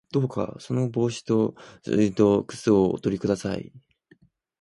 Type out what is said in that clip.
どうか帽子と外套と靴をおとり下さい